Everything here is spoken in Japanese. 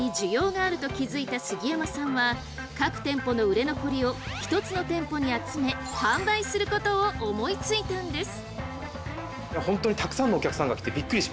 があると気付いた杉山さんは各店舗の売れ残りを一つの店舗に集め販売することを思いついたんです。